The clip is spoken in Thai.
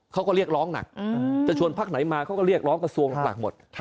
เขาก็เรียกร้องหนักจะชวนพักไหนมาเขาก็เรียกร้องกระทรวงหลักหมด